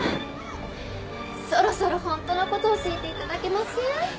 そろそろホントのことを教えていただけません？